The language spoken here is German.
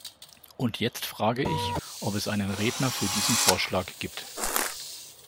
Und jetzt frage ich, ob es einen Redner für diesen Vorschlag gibt.